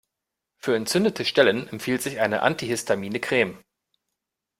Für entzündete Stellen empfiehlt sie eine antihistamine Creme.